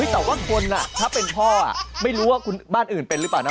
แต่ว่าคนถ้าเป็นพ่อไม่รู้ว่าบ้านอื่นเป็นหรือเปล่านะ